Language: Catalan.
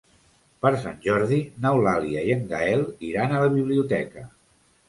Per Sant Jordi n'Eulàlia i en Gaël iran a la biblioteca.